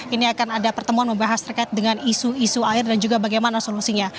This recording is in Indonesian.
ini akan ada pertemuan membahas terkait dengan isu isu air dan juga bagaimana solusinya